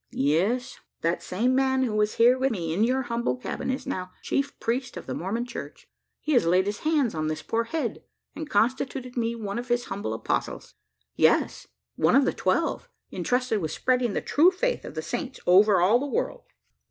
"Yes that same man who was here with me in your humble cabin, is now Chief Priest of the Mormon Church! He has laid his hands on this poor head, and constituted me one of his humble Apostles. Yes, one of the Twelve, intrusted with spreading the true faith of the Saints over all the world."